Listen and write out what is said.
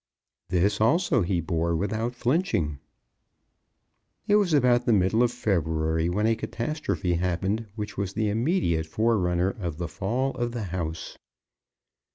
This also he bore without flinching. It was about the middle of February when a catastrophe happened which was the immediate forerunner of the fall of the house.